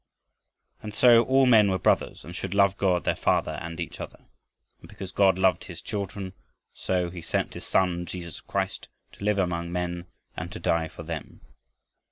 And so all men were brothers, and should love God their Father and each other. And because God loved his children so, he sent his Son, Jesus Christ, to live among men and to die for them.